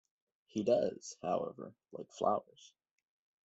He does, however, like flowers.